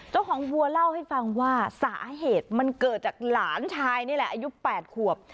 วัวเล่าให้ฟังว่าสาเหตุมันเกิดจากหลานชายนี่แหละอายุ๘ขวบ